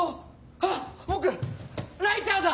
あっ僕ライターだ！